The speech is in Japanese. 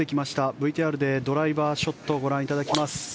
ＶＴＲでドライバーショットをご覧いただきます。